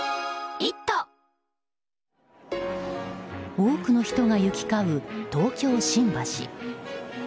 多くの人が行き交う東京・新橋。